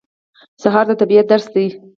سهار د طبیعت درس دی.